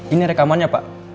ini rekamannya pak